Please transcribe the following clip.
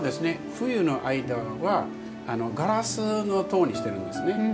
冬の間はガラスの戸にしてるんですね。